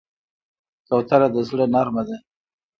کوتره د زړه نرمه ده.